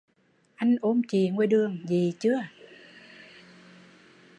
Anh ôm chị ngoài đường, dị chưa